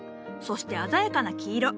そして鮮やかな黄色。